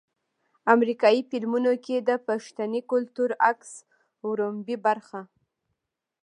امريکني فلمونو کښې د پښتني کلتور عکس وړومبۍ برخه